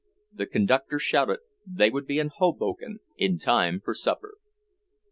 The conductor shouted they would be in Hoboken in time for supper.